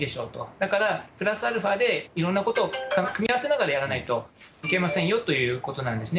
だから、プラスアルファで、いろんなことを組み合わせながらやらないといけませんよということなんですね。